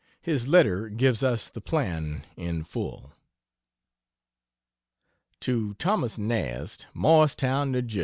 His letter gives us the plan in full. To Thomas Nast, Morristown, N. J.